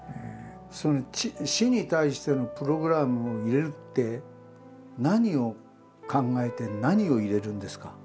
その死に対してのプログラムを入れるって何を考えて何を入れるんですか？